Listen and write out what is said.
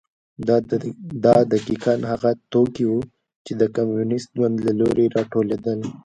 دا دقیقا هغه توکي وو چې د کمونېست ګوند له لوري راټولېدل.